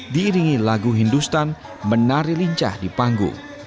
diiringi lagu hindustan menari lincah di panggung